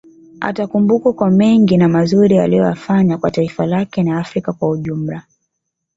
Atakumbukwa kwa mengi na mazuri aliyoyafanya kwa taifa lake na Afrika kwa ujumla